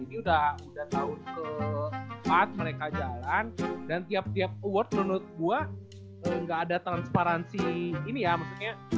ini udah tahun keempat mereka jalan dan tiap tiap award menurut gue gak ada transparansi ini ya maksudnya